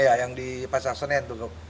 iya yang di pasar senen tuh